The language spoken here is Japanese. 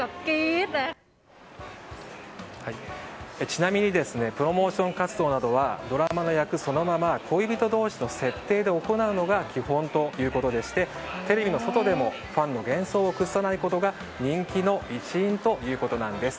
ちなみにプロモーション活動などはドラマの役そのまま恋人同士の設定で行うのが基本ということでしてテレビの外でもファンの幻想を崩さないことが人気の一因ということなんです。